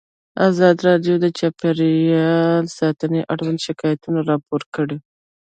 ازادي راډیو د چاپیریال ساتنه اړوند شکایتونه راپور کړي.